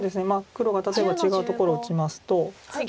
黒が例えば違うところを打ちますと。